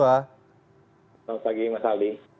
selamat pagi mas aldi